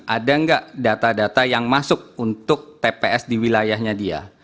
ada nggak data data yang masuk untuk tps di wilayahnya dia